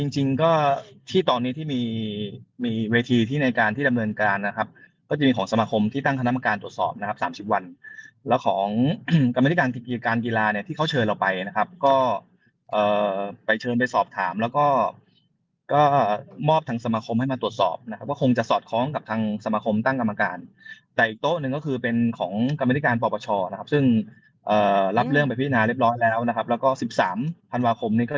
จริงก็ที่ตอนนี้ที่มีเวทีที่ในการที่ดำเนินการนะครับก็จะมีของสมาคมที่ตั้งคณะประการตรวจสอบนะครับ๓๐วันแล้วของกรรมนิการเกียวการกีฬาเนี่ยที่เขาเชิญเราไปนะครับก็ไปเชิญไปสอบถามแล้วก็มอบทางสมาคมให้มาตรวจสอบนะครับก็คงจะสอดคล้องกับทางสมาคมตั้งกรรมการแต่อีกโต๊ะหนึ่งก็คือเป็นของกรรมนิ